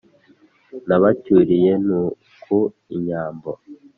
Nabacyuriye Ntuku inyambo.